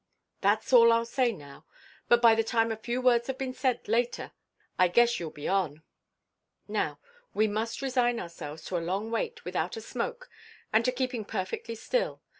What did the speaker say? "That's all I'll say now. But by the time a few words have been said, later, I guess you'll be on. "Now, we must resign ourselves to a long wait without a smoke and to keeping perfectly still.